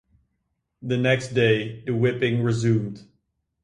The next day, the whipping resumed.